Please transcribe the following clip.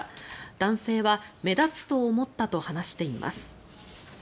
男性は目立つと思ったと話しています。